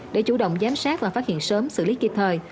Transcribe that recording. để chủ động giám sát và phát hiện sớm xử lý kịp thời